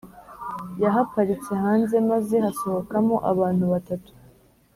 yahaparitse hanze maze hasohokamo abantu batatu